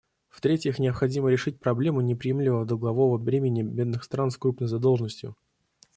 В-третьих, необходимо решить проблему неприемлемого долгового бремени бедных стран с крупной задолженностью.